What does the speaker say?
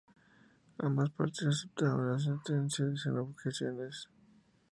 Ambas partes aceptaron la sentencia sin objeciones.